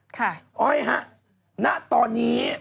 ค่ะโอ๊ยฮะณตอนนี้